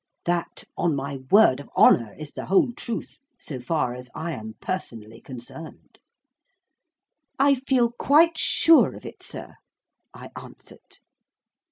That, on my word of honour, is the whole truth, so far as I am personally concerned." "I feel quite sure of it, sir," I answered.